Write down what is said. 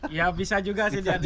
iya bisa juga sih jadi